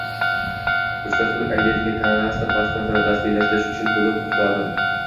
Koʼchmas mulk obʼektiga kadastr pasportini rasmiylashtirish uchun toʼlov miqdori